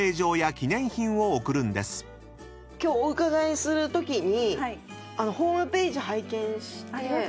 今日お伺いするときに。